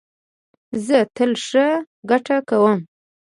زه تل ښه ګټه کوم